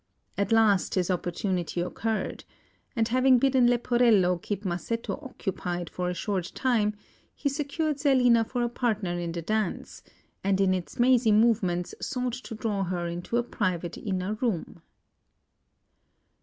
At last his opportunity occurred; and having bidden Leporello keep Masetto occupied for a short time, he secured Zerlina for a partner in the dance, and in its mazy movements sought to draw her into a private inner room.